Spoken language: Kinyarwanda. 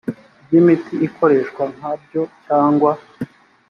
rw’imiti ikoreshwa nka byo cyangwa